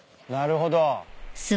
なるほど。